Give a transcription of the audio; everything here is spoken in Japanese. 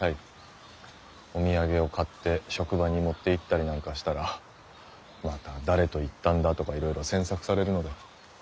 お土産を買って職場に持っていったりなんかしたらまた誰と行ったんだとかいろいろ詮索されるので。